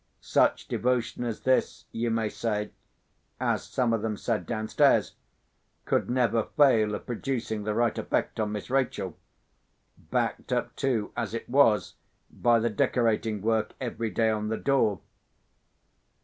Such devotion as this, you may say (as some of them said downstairs), could never fail of producing the right effect on Miss Rachel—backed up, too, as it was, by the decorating work every day on the door.